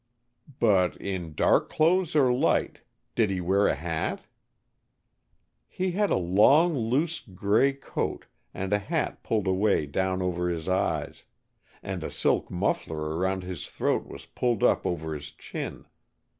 "But in dark clothes or light? Did he wear a hat?" "He had a long loose grey coat, and a hat pulled away down over his eyes. And a silk muffler around his throat was pulled up over his chin.